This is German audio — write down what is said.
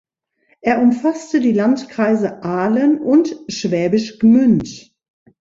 Er umfasste die Landkreise Aalen und Schwäbisch Gmünd.